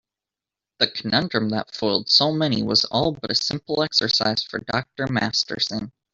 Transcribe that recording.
The conundrum that foiled so many was all but a simple exercise for Dr. Masterson.